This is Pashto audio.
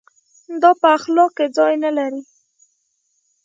دا په اخلاق کې ځای نه لري.